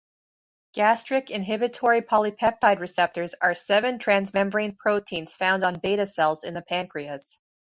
Gastric inhibitory polypeptide receptors are seven-transmembrane proteins found on beta-cells in the pancreas.